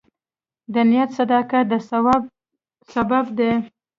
د نیت صداقت د ثواب سبب دی.